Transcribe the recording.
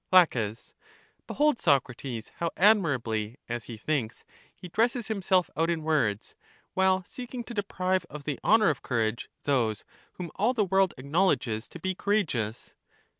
La. Behold, Socrates, how admirably, as he thinks, he dresses himself out in words, while seeking to de prive of the honor of courage those whom all the world acknowledges to be courageous.